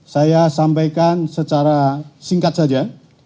saya sampaikan secara singkat saja